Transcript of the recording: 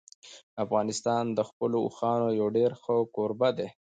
افغانستان د خپلو اوښانو یو ډېر ښه کوربه دی.